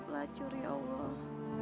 pelacur ya allah